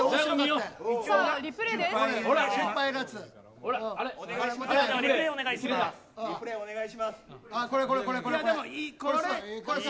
リプレーお願いします。